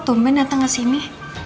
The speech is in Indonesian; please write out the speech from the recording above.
tumben datang ke sini